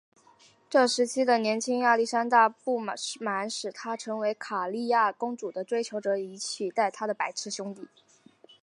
这时期的年轻亚历山大的不满使他成了卡里亚公主的追求者以取代他的白痴兄弟。